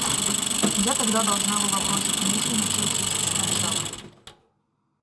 Я тогда должна была бросить мужа и начать жизнь с начала.